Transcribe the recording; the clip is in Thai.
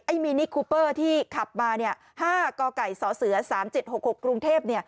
ไอ้มินิคูเปอร์ที่ขับมา๕กสศ๓๗๖๖กรุงเทพฯ